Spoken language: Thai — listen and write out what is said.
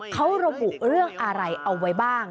เขาระบุเรื่องอะไรเอาไว้บ้าง